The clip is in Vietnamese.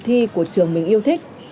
thi của trường mình yêu thích